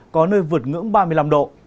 có nơi vượt ngưỡng ba mươi năm độ